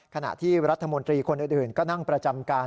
ขณะที่รัฐมนตรีคนอื่นก็นั่งประจำการ